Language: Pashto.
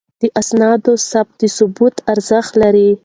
د اسنادو ثبت د ثبوت ارزښت لري.